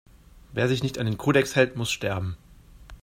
Wer sich nicht an den Kodex hält, muss sterben!